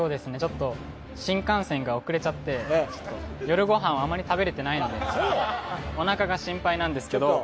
新幹線が遅れちゃって、夜ごはんをあまり食べれてないのでおなかが心配なんですけど。